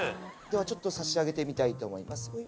ではちょっと差し上げてみたいと思います。